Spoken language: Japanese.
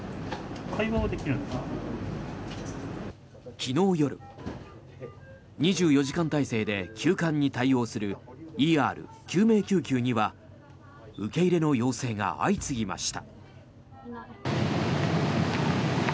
昨日夜、２４時間体制で急患に対応するＥＲ・救命救急には受け入れの要請が相次ぎました。